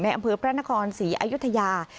ในอำพิวปราณคลสีอายุทยา